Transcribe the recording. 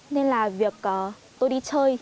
nên là việc tôi đi chơi